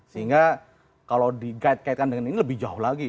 sehingga kalau dikaitkan dengan ini lebih jauh lagi